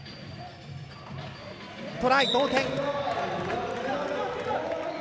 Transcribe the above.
トライ、同点。